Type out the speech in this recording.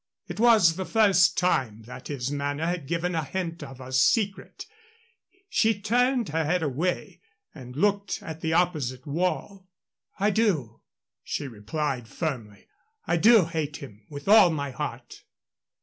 It was the first time that his manner had given a hint of a secret. She turned her head away and looked at the opposite wall. "I do," she replied, firmly. "I do hate him with all my heart."